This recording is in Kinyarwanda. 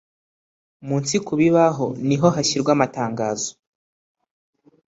munsi ku bibaho niho hashyirwa amatangazo